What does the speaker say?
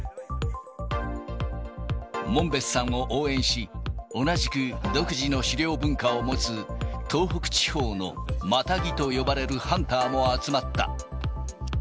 門別さんを応援し、同じく独自の狩猟文化を持つ、東北地方のマタギと呼ばれるハンターも集まった。